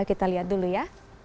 kita lihat dulu ya